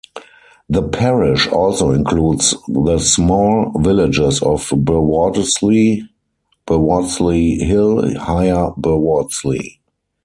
The parish also includes the small villages of Burwardsley, Burwardsley Hill, Higher Burwardsley.